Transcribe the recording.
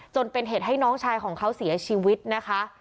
จนเป็นเหตุให้น้องชายของเขาเสียชีวิตนะคะ